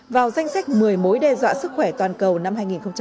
vào danh sách một mươi mối đe dọa sức khỏe toàn cầu năm hai nghìn một mươi chín